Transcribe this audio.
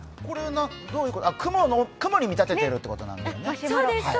雲に見立ててるということなんだよね。